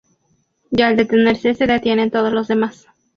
Y al detenerse, se detienen todos los demás.